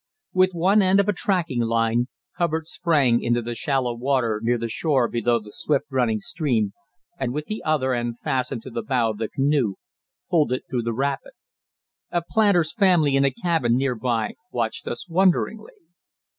With one end of a tracking line, Hubbard sprang into the shallow water near the shore below the swift running stream, and with the other end fastened to the bow of the canoe, pulled it through the rapid. A "planter's" family in a cabin near by watched us wonderingly.